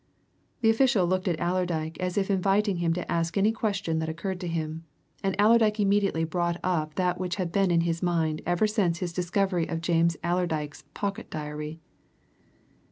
The official looked at Allerdyke as if inviting him to ask any question that occurred to him, and Allerdyke immediately brought up that which had been in his mind ever since his discovery of James Allerdyke's pocket diary.